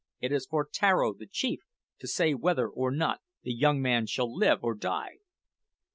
It is for Tararo, the chief, to say whether or not the young man shall live or die!"